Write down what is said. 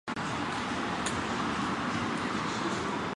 中华民国与纽埃关系是指中华民国与纽埃之间的关系。